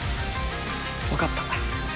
分かった。